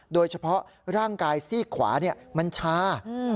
โดยเฉพาะร่างกายซีกขวามันชา